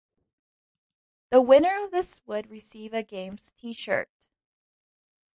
The winner of this would receive a Games T-shirt.